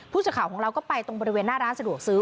ผู้สื่อข่าวของเราก็ไปตรงบริเวณหน้าร้านสะดวกซื้อ